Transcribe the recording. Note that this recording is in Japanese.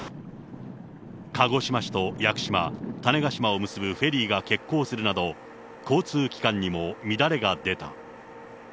鹿児島市と屋久島、種子島を結ぶフェリーが欠航するなど、交通機関にも乱れが出た。